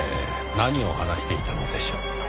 何を話していたのでしょう。